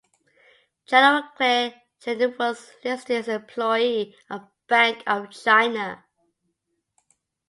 General Claire Chennault was listed as an employee of Bank of China.